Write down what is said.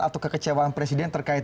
atau kekecewaan presiden terkait